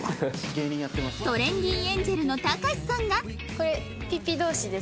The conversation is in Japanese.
トレンディエンジェルのたかしさんが